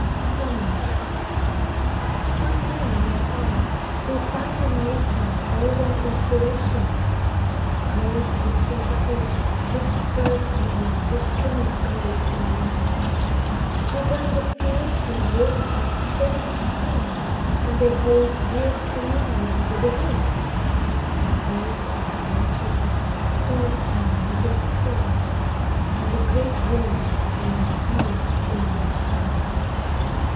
Summer Some men there are who find in nature all Their inspiration, hers the sympathy Which spurs them on to any great endeavor, To them the fields and woods are closest friends, And they hold dear communion with the hills; The voice of waters soothes them with its fall, And the great winds bring healing in their sound.